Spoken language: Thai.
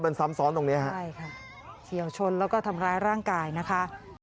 มันซ้ำซ้อนตรงเนี้ยฮะใช่ค่ะเฉียวชนแล้วก็ทำร้ายร่างกายนะคะ